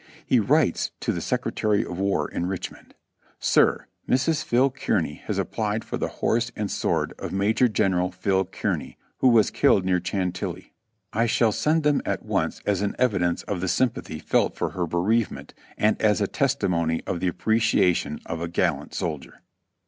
He writes to the Secretary of War in Richmond : "Sir :— Mrs. Phil. Kearny has applied for the horse and sword of Major General Phil. Kearny, who was killed near Clmntilly. I shall send them at once as an evidence of the sympathy felt for her bereavement and as a testimony of the appreciation of a gal lant soldier."